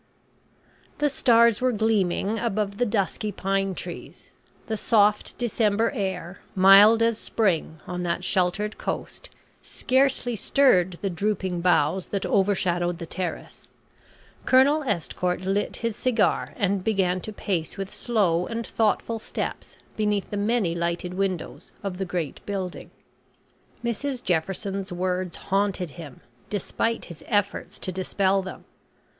The stars were gleaming above the dusky pine trees. The soft December air, mild as spring on that sheltered coast, scarcely stirred the drooping boughs that overshadowed the terrace. Colonel Estcourt lit his cigar, and began to pace with slow and thoughtful steps beneath the many lighted windows of the great building. Mrs Jefferson's words haunted him, despite his efforts to dispel them.